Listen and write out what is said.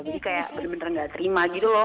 jadi kayak bener bener gak terima gitu loh